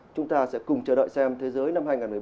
chúng ta sẽ cùng chờ đợi xem thế giới năm hai nghìn một mươi bốn